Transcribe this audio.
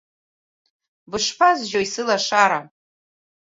Бышԥазжьои, сылашара?